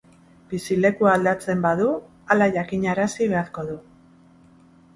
Bizilekua aldatzen badu, hala jakinarazi beharko du.